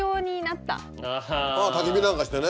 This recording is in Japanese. たき火なんかしてね。